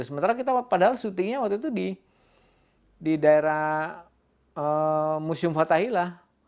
sementara kita padahal syutingnya waktu itu di daerah museum fathahila